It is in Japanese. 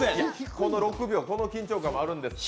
この６秒、その緊張感もあるんですよ。